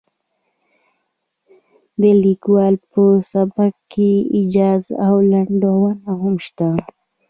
د لیکوال په سبک کې ایجاز او لنډون هم شته.